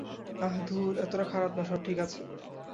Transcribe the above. আহ, ধুর এটা এতটা খারাপ না সব ঠিক আছে।